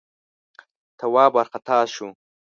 تواب وارخطا شو: